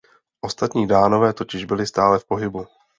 Ostatní Dánové totiž byli stále v pohybu.